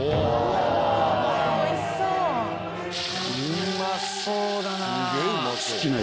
うまそうだなぁ。